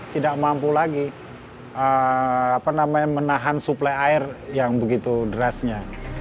tidak mampu lagi menahan suplai air yang begitu derasnya